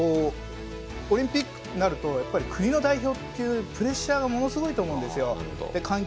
それがどんどんオリンピックとなるとやっぱり国の代表というプレッシャーがものすごいと思うんですよ。